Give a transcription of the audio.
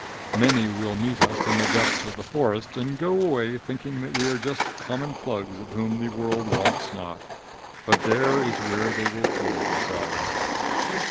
Many will meet us in the depths of the forest and go away thinking that we are just common plugs of whom the world wots not; but there is where they will fool themselves.